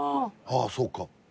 ああそうか。